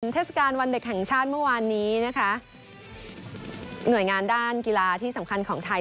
เทศกาลวันเด็กแห่งชาติเมื่อวานนี้นะคะหน่วยงานด้านกีฬาที่สำคัญของไทย